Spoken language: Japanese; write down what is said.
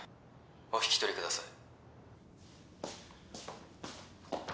お引き取りください